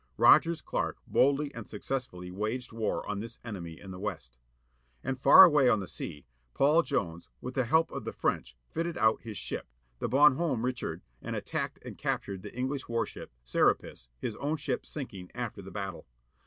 Rogers Clark boldly and successfully waged war on this enemy in the west. And far away on the sea, Paul Jones, with the help of the French, fatted out his ship, the Bonhomme Richard, and attacked and captured the English warship, Serapis, his own ship sinking after the battle.